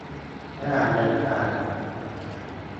ระหว่างเดินทาง